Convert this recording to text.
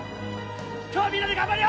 今日はみんなで頑張るよ！